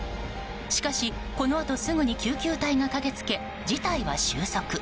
しかし、このあとすぐに救急隊が駆け付け事態は収束。